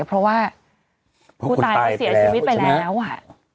เพราะว่าผู้ตายก็เสียชีวิตไปแล้วอ่ะ